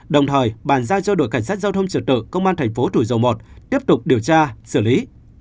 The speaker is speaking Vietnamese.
đồng thời bàn giao cho đội cảnh sát giao thông trực tự công an tp hcm tiếp tục điều tra xử lý